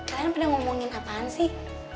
kalian pernah ngomongin apaan sih